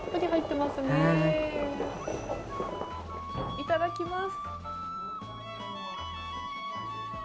いただきます。